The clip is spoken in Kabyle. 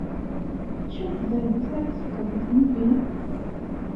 Acu n tbadut ara tefkeḍ i tmugent?